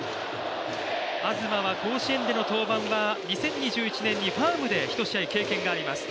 東は甲子園での登板は２０２１年にファームで１試合、経験があります。